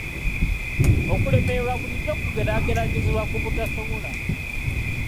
Okulemererwa bulijjo kugeraageranyizibwa ku butasobola.